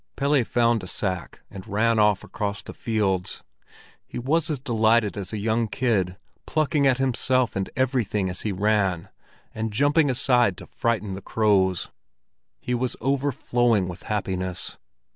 Pelle found a sack and ran off across the fields. He was as delighted as a young kid, plucking at himself and everything as he ran, and jumping aside to frighten the crows. He was overflowing with happiness.